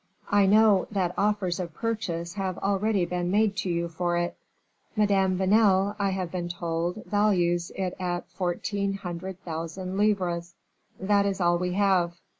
I know that offers of purchase have already been made to you for it." "Madame Vanel, I have been told, values it at fourteen hundred thousand livres." "That is all we have."